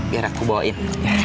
biar aku bawain